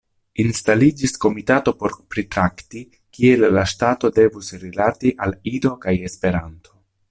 Instaliĝis komitato por pritrakti, kiel la ŝtato devus rilati al Ido kaj Esperanto.